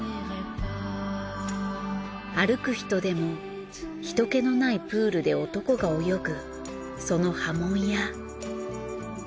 『歩くひと』でも人けのないプールで男が泳ぐその波紋や。